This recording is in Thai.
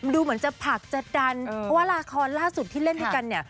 ดูเหมือนจะผักจะดันเพราะว่าละครล่าสุดที่เล่นด้วยกันเนี่ย